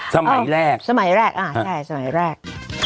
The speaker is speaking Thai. สมัยแรกสมัยแรกอ่าใช่สมัยแรก